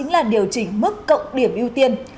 là điều chỉnh mức cộng điểm ưu tiên